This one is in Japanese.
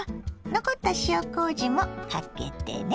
残った塩こうじもかけてね。